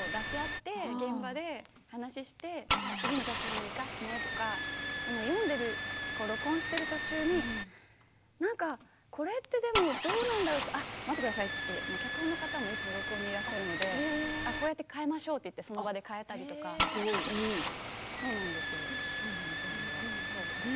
みんなのみーを出し合って現場で次の脚本に生かすねって読んでいる、録音している途中にこれってどうなんだろうと言ったら、待ってくださいと脚本の方もいつも録音にいらっしゃるのでこうやって変えましょうとセッションみたいな。